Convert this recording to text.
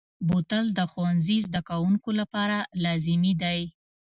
بوتل د ښوونځي زده کوونکو لپاره لازمي دی.